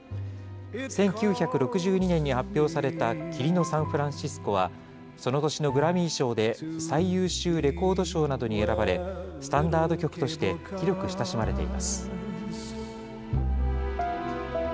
１９６２年に発表された霧のサンフランシスコは、その年のグラミー賞で最優秀レコード賞などに選ばれ、スタンダード曲として広く親しまれています。